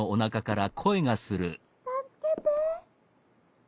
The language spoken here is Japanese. ・「たすけて」。